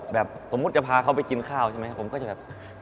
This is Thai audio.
สมมุติจะพาเขาไปกินข้าวใช่ไหมผมก็จะแบบ